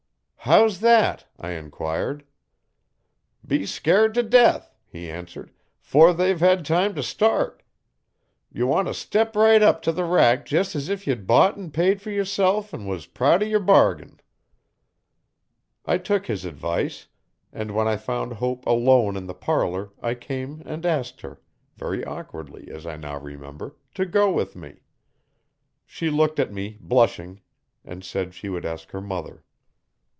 'How's that?' I enquired. 'Be scairt t' death,' he answered,' 'fore they've hed time t' start Ye want t' step right up t' the rack jes' if ye'd bought an' paid fer yerself an' was proud o' yer bargain.' I took his advice and when I found Hope alone in the parlour I came and asked her, very awkwardly as I now remember, to go with me. She looked at me, blushing, and said she would ask her mother.